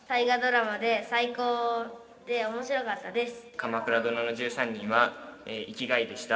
「鎌倉殿の１３人」は生きがいでした。